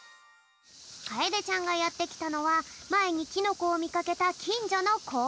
かえでちゃんがやってきたのはまえにキノコをみかけたきんじょのこうえん。